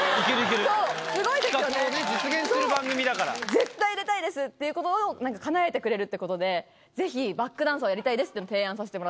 「絶対やりたいです！」っていうことをかなえてくれるってことで「ぜひバックダンサーをやりたいです」っていうのを提案させてもらったんですよ。